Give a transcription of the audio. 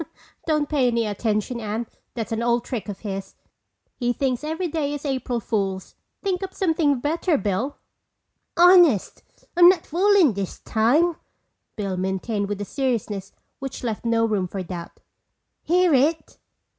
"Don't pay any attention, Anne. That's an old trick of his. He thinks every day is April Fool's. Think up something better, Bill." "Honest, I'm not foolin' this time," Bill maintained with a seriousness which left no room for doubt. "Hear it?"